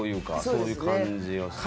そういう感じはする。